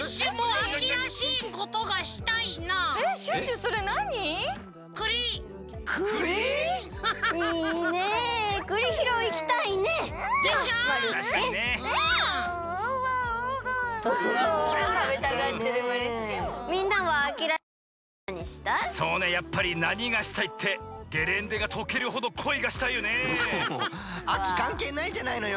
秋かんけいないじゃないのよ！